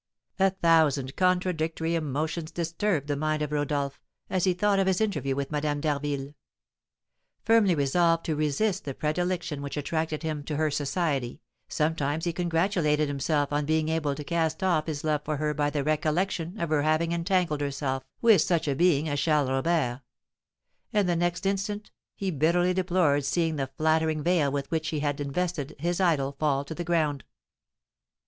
A thousand contradictory emotions disturbed the mind of Rodolph, as he thought of his interview with Madame d'Harville. Firmly resolved to resist the predilection which attracted him to her society, sometimes he congratulated himself on being able to cast off his love for her by the recollection of her having entangled herself with such a being as Charles Robert; and the next instant he bitterly deplored seeing the flattering veil with which he had invested his idol fall to the ground.